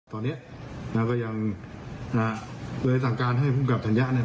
ตอนเนี้ยเราก็ยังอ่าเวลาทางการให้ภูมิกรับฐัญญะเนี้ย